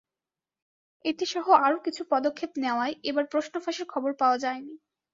এটিসহ আরও কিছু পদক্ষেপ নেওয়ায় এবার প্রশ্নপত্র ফাঁসের খবর পাওয়া যায়নি।